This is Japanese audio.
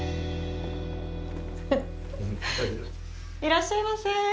いらっしゃいませ。